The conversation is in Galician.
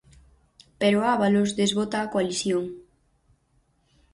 Pero Ábalos desbota a coalición.